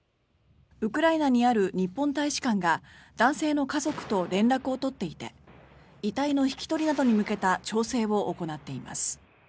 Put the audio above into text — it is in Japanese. ウクライナにある日本大使館が男性の家族と連絡を取っていて遺体の引き取りなどに向けた調整を行っています。